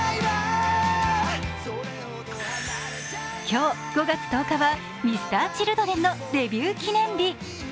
今日５月１０日はＭｒ．Ｃｈｉｌｄｒｅｎのデビュー記念日。